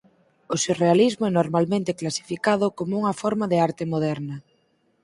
O surrealismo é normalmente clasificado como unha forma de arte moderna.